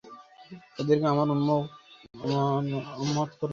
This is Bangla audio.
ওদেরকে আমার উম্মত করে দিন!